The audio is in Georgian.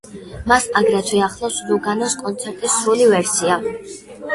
მას აგრეთვე ახლავს ლუგანოს კონცერტის სრული ვერსია.